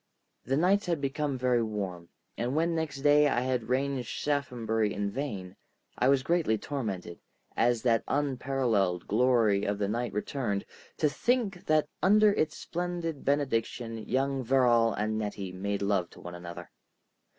The nights had become very warm, and when next day I had ranged Shaphambury in vain, I was greatly tormented, as that unparalleled glory of the night returned, to think that under its splendid benediction young Verrall and Nettie made love to one another.